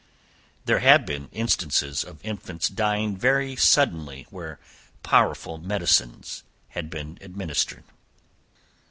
There have been instances of infants dying very suddenly, where powerful medicines had been administered.